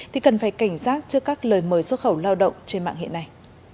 thì cần phải cảnh giác trước các lời mời xuất khẩu lao động trên mạng hiện nay